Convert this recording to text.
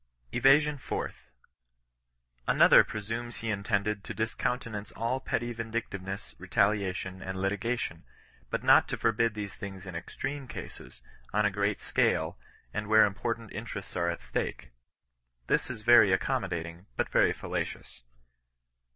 EVASION POUBTH. Another presumes he intended to discountenance all petty yindictiveness, retaliation, and litigation, but not to forbid these things in extreme cases, on a great scale, and where important interests are at stake. This is very accomm^aating, but very fallacious.